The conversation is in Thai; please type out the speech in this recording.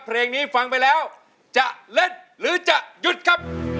เพลงนี้ฟังไปแล้วจะเล่นหรือจะหยุดครับ